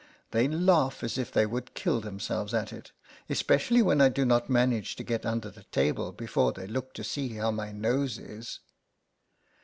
They laugh as if they would kill themselves at it, espe cially when I do not manage to get under the table before they look to see how my nose is.